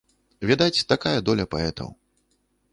Відаць, такая доля паэтаў.